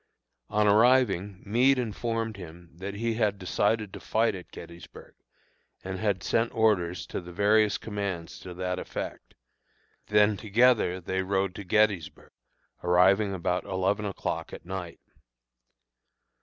On arriving, Meade informed him that he had decided to fight at Gettysburg, and had sent orders to the various commands to that effect; then together they rode to Gettysburg, arriving about eleven o'clock at night.